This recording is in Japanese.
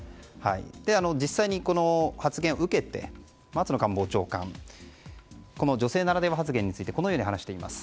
実際に、この発言を受けて松野官房長官はこの女性ならでは発言についてこのように話しています。